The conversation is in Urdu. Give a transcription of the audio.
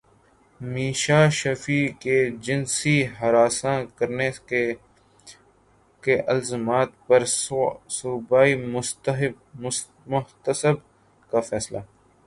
میشا شفیع کے جنسی ہراساں کرنے کے الزامات پر صوبائی محتسب کا فیصلہ